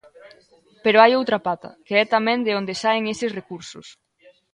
Pero hai outra pata, que é tamén de onde saen eses recursos.